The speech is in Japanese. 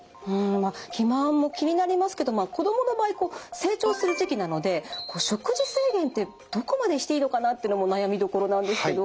まあ肥満も気になりますけど子供の場合こう成長する時期なので食事制限ってどこまでしていいのかなっていうのも悩みどころなんですけど。